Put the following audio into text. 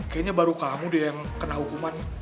kayaknya baru kamu deh yang kena hukuman